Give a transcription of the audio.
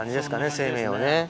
生命をね。